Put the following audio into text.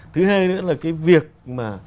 thứ hai nữa là cái việc mà